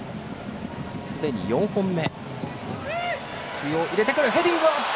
すでに４本目。